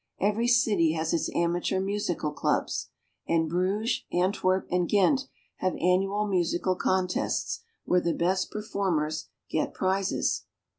Every city has its amateur musical clubs ; and Bruges, Antwerp, and Ghent have annual musical contests, where the best performers get prizes.